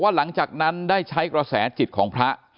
ท่านได้ใช้กระแสจิตของพระ